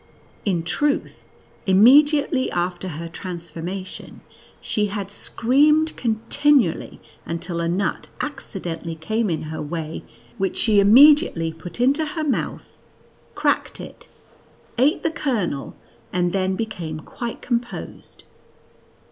In truth, immediately after her transforma tion, she had screamed continually until a nut accidentally came in her way, which she imme diately put into her mouth, cracked it, ate the kernel, and then became quite composed.